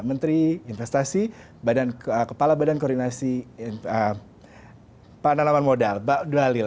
menteri investasi kepala badan koordinasi pak nalaman modal pak dwalil